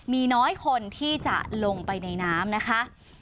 มีน้อยคนที่จะลงไปในน้ำนะคะ